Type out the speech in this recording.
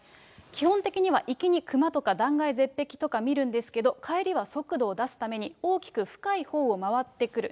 基本的には行きにクマとか断崖絶壁とか見るんですけど、帰りは速度を出すために大きく深いほうを回ってくる。